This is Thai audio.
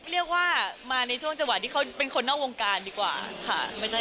เรียกว่ามาในช่วงจังหวะที่เขาเป็นคนนอกวงการดีกว่าค่ะ